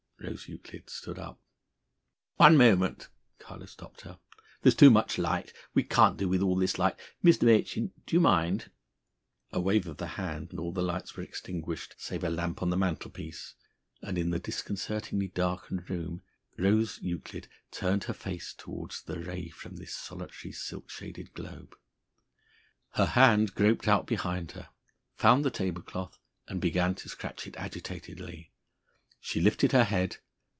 Rose Euclid stood up. "One moment," Carlo stopped her. "There's too much light. We can't do with all this light. Mr. Machin do you mind?" A wave of the hand, and all the lights were extinguished, save a lamp on the mantelpiece, and in the disconcertingly darkened room Rose Euclid turned her face towards the ray from this solitary silk shaded globe. Her hand groped out behind her, found the table cloth and began to scratch it agitatedly. She lifted her head.